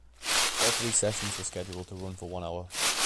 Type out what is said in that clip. All three sessions were scheduled to run for one hour.